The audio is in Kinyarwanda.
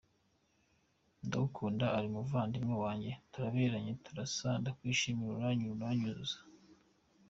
Ndagukunda, uri umuvandimwe wanjye, turaberanye, turasa, ndakwishimira, uranyura, uranyuzuza,….